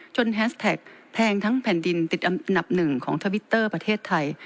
แฮสแท็กแพงทั้งแผ่นดินติดอันดับหนึ่งของทวิตเตอร์ประเทศไทย